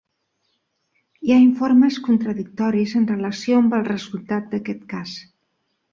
Hi ha informes contradictoris en relació amb el resultat d'aquest cas.